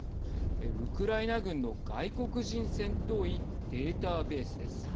ウクライナ軍の外国人戦闘員データベースです。